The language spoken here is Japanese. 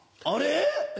あれ？